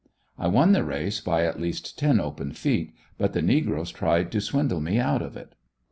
I won the race by at least ten open feet, but the negroes tried to swindle me out of it.